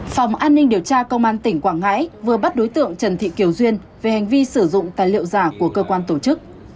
phòng an ninh điều tra công an tỉnh quảng ngãi vừa bắt đối tượng trần thị kiều duyên về hành vi sử dụng tài liệu giả của cơ quan tổ chức